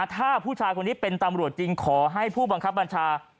ถ้าผู้ชายคนนี้เป็นตำรวจจริงขอให้ผู้บังคับบัญชา